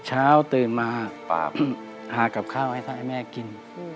เช้าตื่นมาหากับข้าวให้แม่กิน